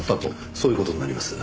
そういう事になります。